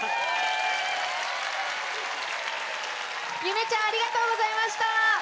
ゆめちゃんありがとうございました。